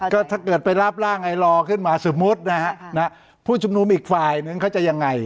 ก็ถ้าเกิดไปรับร่างไอลอขึ้นมาสมมุตินะฮะผู้ชุมนุมอีกฝ่ายนึงเขาจะยังไง